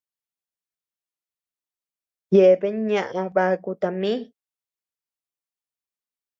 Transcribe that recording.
Yeabean ñaʼa baku tami.